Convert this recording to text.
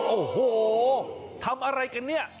โอ้โหทำอะไรกันเนี่ย